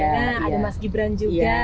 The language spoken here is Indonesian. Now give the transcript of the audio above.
ada mas gibran juga